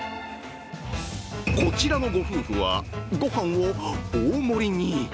こちらのご夫婦はご飯を大盛りに。